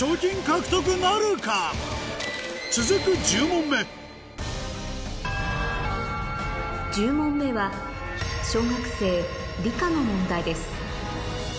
１０問目１０問目は小学生の問題です